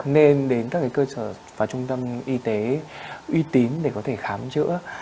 nên đến các cơ sở và trung tâm y tế uy tín để có thể khám chữa